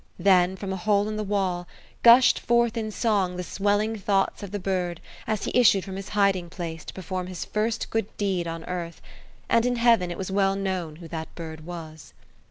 Then, from a hole in the wall, gushed forth in song the swelling thoughts of the bird as he issued from his hiding place to perform his first good deed on earth, and in heaven it was well known who that bird was.